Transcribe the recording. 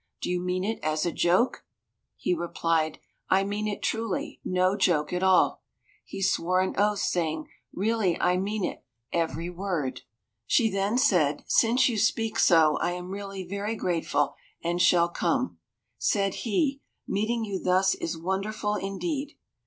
Do you mean it as a joke?" He replied, "I mean it truly, no joke at all." He swore an oath, saying, "Really I mean it, every word." She then said, "Since you speak so, I am really very grateful, and shall come." Said he, "Meeting you thus is wonderful indeed."